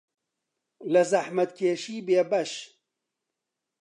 لە زەحمەتکێشی بێبەش